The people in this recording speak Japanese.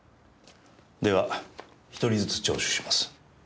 では１人ずつ聴取します。